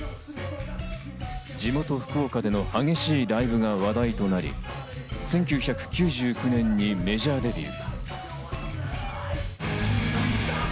地元・福岡での激しいライブが話題となり、１９９９年にメジャーデビュー。